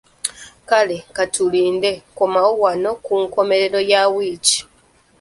Kale KATULINDE, komawo wano ku nkomerero Ya wiiki.